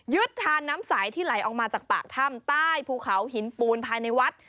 ทานน้ำใสที่ไหลออกมาจากปากถ้ำใต้ภูเขาหินปูนภายในวัด